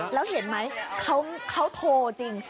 แล้วเห็นไหมเขาโทรจริง